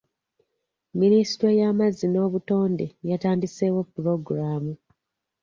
Minisitule y'amazzi n'obutonde yatandiseewo pulogulaamu.